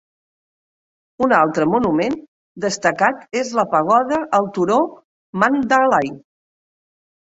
Un altre monument destacat és la pagoda al turó Mandalay.